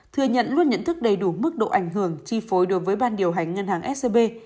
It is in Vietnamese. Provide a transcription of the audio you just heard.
thừa nhận luôn nhận thức đầy đủ mức độ ảnh hưởng chi phối đối với ban điều hành ngân hàng scb